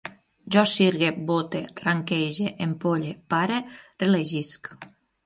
Jo sirgue, vote, ranquege, em polle, pare, reelegisc